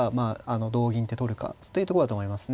同銀って取るかというとこだと思いますね。